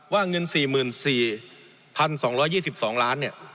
ว่าเงิน๔๔๒๒๒ล้านเนี่ย